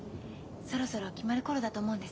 そろそろ決まる頃だと思うんです。